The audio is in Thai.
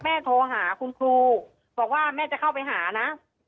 โทรหาคุณครูบอกว่าแม่จะเข้าไปหานะ